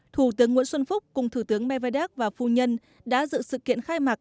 thủ tướng nguyễn xuân phúc cùng thủ tướng medvedev và phu nhân đã dự sự kiện khai mạc